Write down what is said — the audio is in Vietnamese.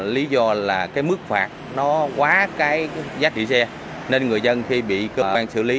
lý do là mức phạt quá giá trị xe nên người dân khi bị cơ quan xử lý